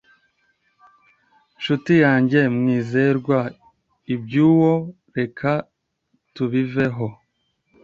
nshuti yanjye Mwizerwa, iby’uwo reka tubiveho